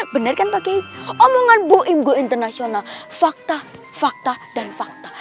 bener kan pakai omongan buimku international fakta fakta dan fakta